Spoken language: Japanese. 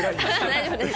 大丈夫です。